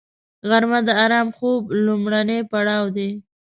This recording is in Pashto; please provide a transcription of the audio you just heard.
غرمه د آرام خوب لومړنی پړاو دی